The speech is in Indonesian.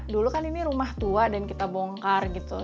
dulu kan ini rumah tua dan kita bongkar gitu